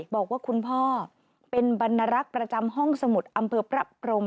บอกว่าคุณพ่อเป็นบรรณรักษ์ประจำห้องสมุทรอำเภอพระพรม